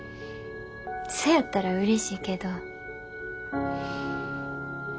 そやったらうれしいけどうん。